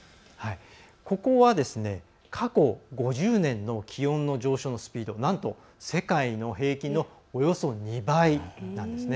ここは過去５０年の気温の上昇のスピード、なんと世界の平均のおよそ２倍なんです。